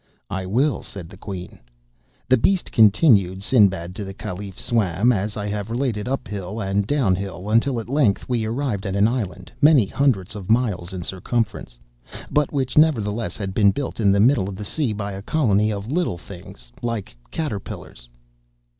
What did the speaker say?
"I will," said the queen. "'The beast,' continued Sinbad to the caliph, 'swam, as I have related, up hill and down hill until, at length, we arrived at an island, many hundreds of miles in circumference, but which, nevertheless, had been built in the middle of the sea by a colony of little things like caterpillars.